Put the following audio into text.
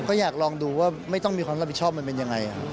ก็อยากลองดูว่าไม่ต้องมีความรับผิดชอบมันเป็นยังไง